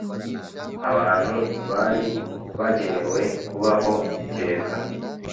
Abantu ntibari bagenewe kubaho iteka.